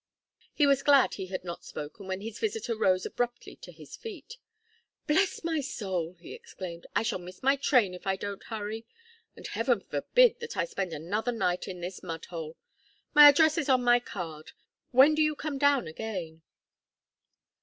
He was glad he had not spoken when his visitor rose abruptly to his feet. "Bless my soul!" he exclaimed. "I shall miss my train if I don't hurry. And heaven forbid that I spend another night in this mud hole. My address is on my card when do you come down again?"